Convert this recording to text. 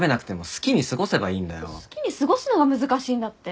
好きに過ごすのが難しいんだって。